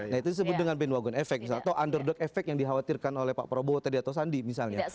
nah itu disebut dengan bandwagon efek atau underdog efek yang dikhawatirkan oleh pak prabowo tadi atau sandi misalnya